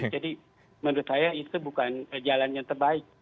jadi menurut saya itu bukan jalan yang terbaik